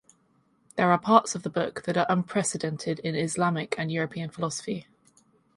There are parts of the book that are unprecedented in Islamic and European philosophy.